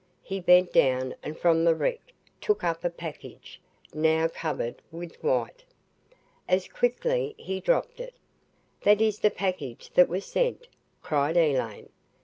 He bent down and from the wreck took up a package, now covered with white. As quickly he dropped it. "That is the package that was sent," cried Elaine.